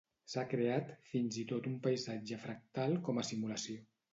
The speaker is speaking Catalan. S'ha creat fins i tot un paisatge fractal com a simulació.